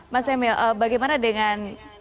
mas emil bagaimana dengan